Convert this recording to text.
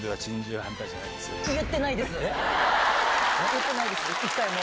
言ってないです一回も。